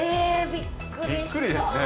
びっくりですね。